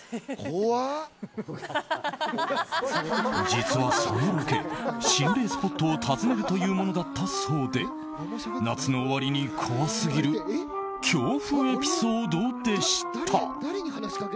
実はそのロケ、心霊スポットを訪ねるというものだったそうで夏の終わりに怖すぎる恐怖エピソードでした。